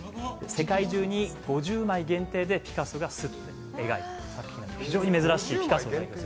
世界中に５０枚限定でピカソが刷って描いてる非常に珍しいです。